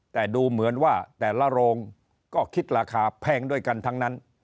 แต่ดูเหมือนว่าแต่ละโรงก็คิดราคาแพงด้วยกันทั้งนั้น